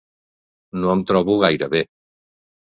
No em trobo gaire bé.